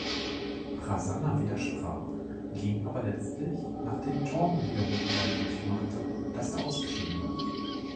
Prasanna widersprach, ging aber letztlich, nachdem Jordon wiederholt deutlich machte, dass er ausgeschieden war.